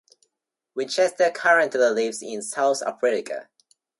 Winchester currently lives in South Africa.